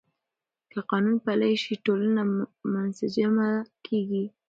که قانون پلی شي، ټولنه منسجمه کېږي.